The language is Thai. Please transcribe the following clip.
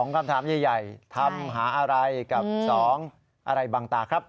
คำถามใหญ่ทำหาอะไรกับ๒อะไรบางตาครับ